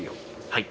はい。